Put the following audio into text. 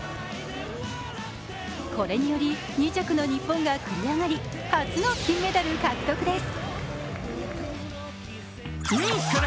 これにより２着の日本が繰り上がり初の金メダル獲得です。